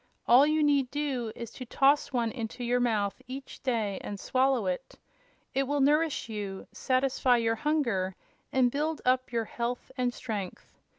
All you need do is to toss one into your mouth each day and swallow it. It will nourish you, satisfy your hunger and build up your health and strength.